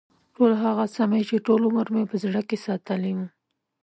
ټول هغه څه مې چې ټول عمر مې په زړه کې ساتلي و.